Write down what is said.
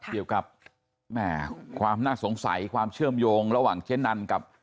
เกี่ยวกับแม่ความน่าสงสัยความเชื่อมโยงระหว่างเจ๊นันกับ